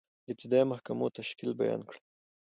د ابتدائیه محاکمو تشکیل بیان کړئ؟